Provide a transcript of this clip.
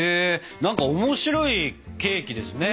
なんか面白いケーキですね。